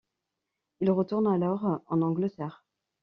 Il retourne alors en Angleterre.